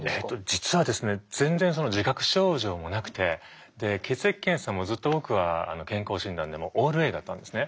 実はですね全然その自覚症状もなくてで血液検査もずっと僕は健康診断でもオールＡだったんですね。